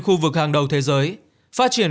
khu vực hàng đầu thế giới phát triển